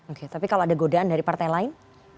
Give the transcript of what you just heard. oke tapi kalau ada godaan dari partai lain